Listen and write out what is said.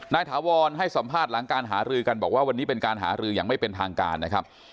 ถาวรให้สัมภาษณ์หลังการหารือกันบอกว่าวันนี้เป็นการหารืออย่างไม่เป็นทางการนะครับ